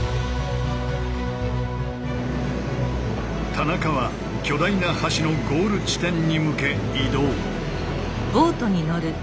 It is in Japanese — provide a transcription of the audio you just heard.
田中は巨大な橋のゴール地点に向け移動。